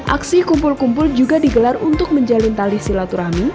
aksi kumpul kumpul juga digelar untuk menjalin tali silaturahmi